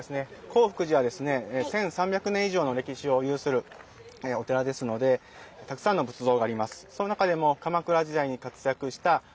興福寺はですね１，３００年以上の歴史を有するお寺ですのでたくさんの仏像があります。